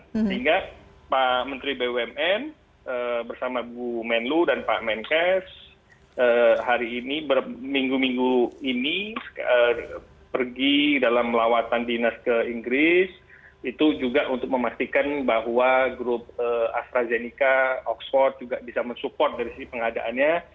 sehingga pak menteri bumn bersama bu menlu dan pak menkes hari ini minggu minggu ini pergi dalam lawatan dinas ke inggris itu juga untuk memastikan bahwa grup astrazeneca oxford juga bisa mensupport dari pengadaannya